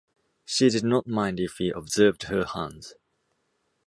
She did not mind if he observed her hands.